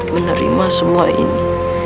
menerima semua ini